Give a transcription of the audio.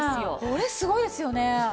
これすごいですよね。